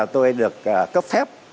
tôi được cấp phép